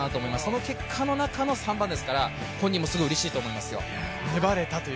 その結果の中の３番ですから、本人もすごいうれしいと思いますよ。